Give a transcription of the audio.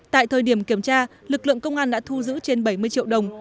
tại thời điểm kiểm tra lực lượng công an đã thu giữ trên bảy mươi triệu đồng